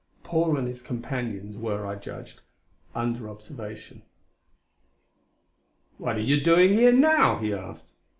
Paul and his companions, I judged, were under observation. "What are you doing here now?" he asked.